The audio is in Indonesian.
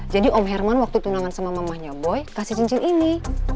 jadi om herman waktu tunangan sama mama manya boy kasih cincin ini